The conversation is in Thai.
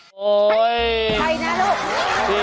ใครนะลูก